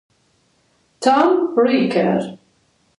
Tom Riker